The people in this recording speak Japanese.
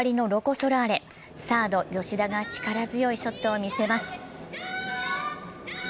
サード・吉田が力強いショットを見せます。